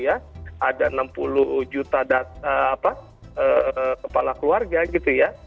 ada enam puluh juta kepala keluarga